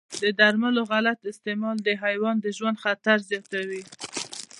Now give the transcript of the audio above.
د درملو غلط استعمال د حیوان د ژوند خطر زیاتوي.